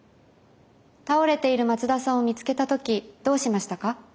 倒れている松田さんを見つけた時どうしましたか？